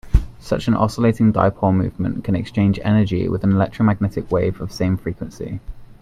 Such an oscillating dipole moment can exchange energy with an electromagnetic wave of same frequency.